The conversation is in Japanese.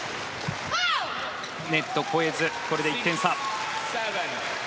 ネットを越えず、これで１点差。